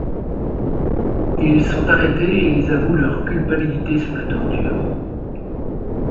Ils sont arrêtés et ils avouent leur culpabilité sous la torture.